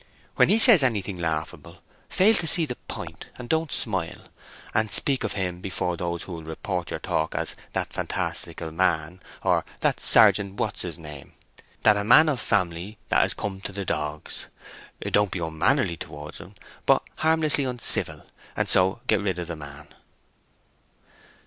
When he says anything laughable, fail to see the point and don't smile, and speak of him before those who will report your talk as 'that fantastical man,' or 'that Sergeant What's his name.' 'That man of a family that has come to the dogs.' Don't be unmannerly towards en, but harmless uncivil, and so get rid of the man."